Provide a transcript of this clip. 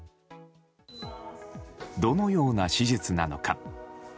どのような手術なのか。